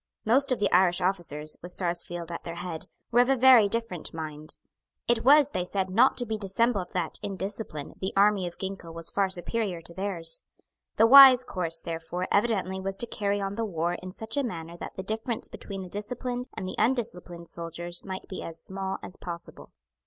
Most of the Irish officers, with Sarsfield at their head, were of a very different mind. It was, they said, not to be dissembled that, in discipline, the army of Ginkell was far superior to theirs. The wise course, therefore, evidently was to carry on the war in such a manner that the difference between the disciplined and the undisciplined soldier might be as small as possible.